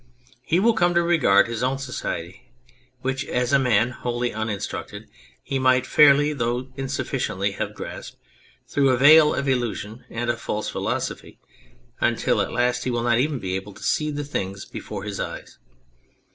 He will come to regard his own society which, as a man wholly uninstructed, he might fairly though insufficiently have grasped through a veil of illusion and of false philosophy, until at last he will not even be able to see the things before his eyes.